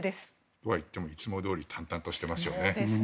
とはいってもいつもどおり淡々としていますよね。